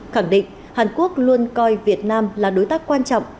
khẳng định hàn quốc luôn coi việt nam là đối tác quan trọng